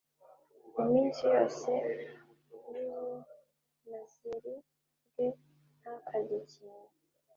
Mu minsi yose y ubunaziri bwe ntakarye ikintu